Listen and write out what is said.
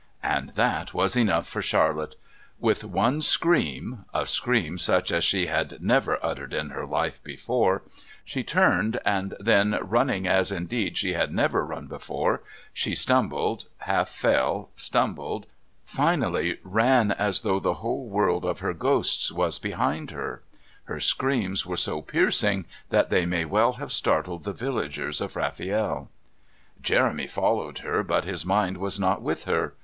And that was enough for Charlotte. With one scream, a scream such as she had never uttered in her life before, sue turned, and then, running as indeed she had never run before, she stumbled, half fell, stumbled, finally ran as though the whole world of her ghosts was behind her. Her screams were so piercing that they may well have startled, the villagers of Rafiel. Jeremy followed her, but his mind was not with her.